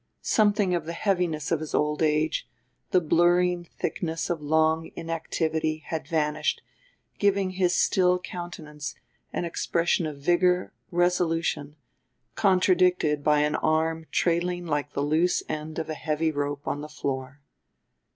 Something of the heaviness of his old age, the blurring thickness of long inactivity, had vanished, giving his still countenance an expression of vigor, resolution, contradicted by an arm trailing like the loose end of a heavy rope on the floor.